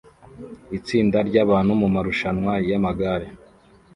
Itsinda ryabantu mumarushanwa yamagare